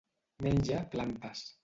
Menja plantes.